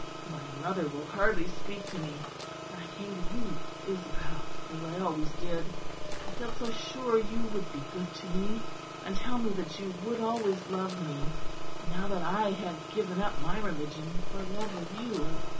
My mother will hardly speak to me; and I came to you, Isabel, as I always did; I felt so sure you would be good to me; and tell me that you would always love me, now that I had given up my religion for love of you.